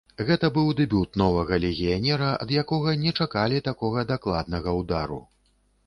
Гэта быў дэбют новага легіянера, ад якога не чакалі такога дакладнага ўдару.